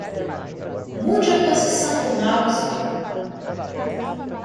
Mude a posição do mouse.